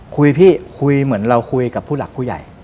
คุยพี่คุยเหมือนเราคุยกับผู้หลักผู้ใหญ่